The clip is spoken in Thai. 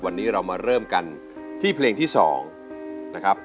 วันนี้เรามาเริ่มกันที่เพลงที่๒นะครับ